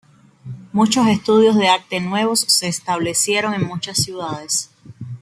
Muchos estudios de arte nuevos se establecieron en muchas ciudades.